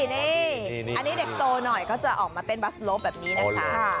นี่อันนี้เด็กโตหน่อยก็จะออกมาเต้นบัสโลปแบบนี้นะคะ